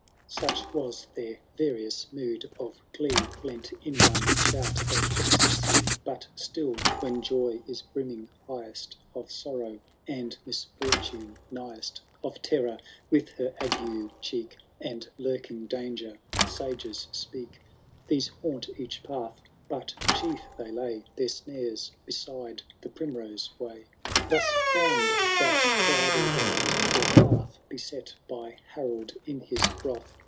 XIV. Such was their various mood of glee Blent in one shout of ecstasy. But still when Joy is brimming highest. Of Sorrow and Misfortune nighest, Of Terror with her ague cheek. And lurking Danger, sages speak :— These haunt each path, but chief they lay Their snares beside the primrose way.— . Thus found that bridal band their path Beset by Harold in his wrath.